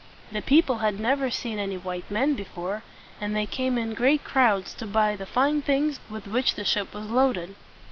The people had never seen any white men before, and they came in great crowds to buy the fine things with which the ship was loaded.